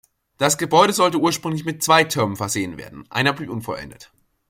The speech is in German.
Das Gebäude sollte ursprünglich mit zwei Türmen versehen werden, einer blieb unvollendet.